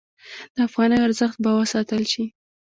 د افغانیو ارزښت به وساتل شي؟